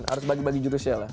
harus bagi bagi judicial lah